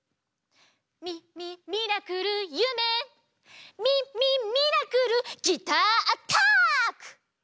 ミミミラクルゆめミミミラクルギターアタック！